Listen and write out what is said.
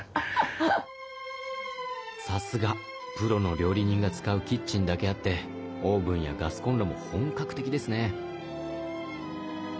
さすがプロの料理人が使うキッチンだけあってオーブンやガスコンロも本格的ですね。